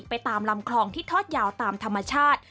ตามลำคลองที่ทอดยาวตามธรรมชาติ